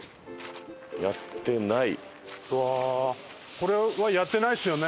これはやってないですよね？